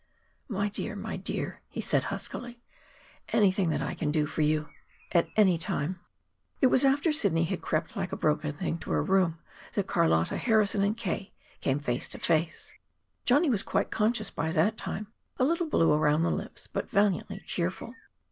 "My dear, my dear," he said huskily. "Anything that I can do for you at any time " It was after Sidney had crept like a broken thing to her room that Carlotta Harrison and K. came face to face. Johnny was quite conscious by that time, a little blue around the lips, but valiantly cheerful.